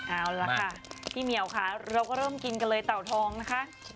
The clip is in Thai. เอาล่ะค่ะพี่เหมียวค่ะเราก็เริ่มกินกันเลยเต่าทองนะคะ